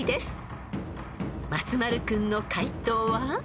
［松丸君の解答は？］